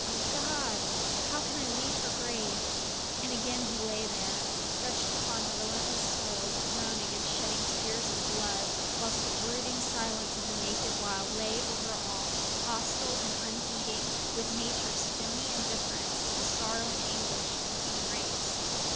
O God! how can I leave her grave?" And again he lay there, stretched upon the relentless soil, groaning and shedding tears of blood, whilst the brooding silence of the naked wild lay over all, hostile and unheeding, with Nature's stony indifference to the sorrow and anguish of the human race.